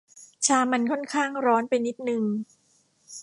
ชามันค่อนข้างร้อนไปนิดนึง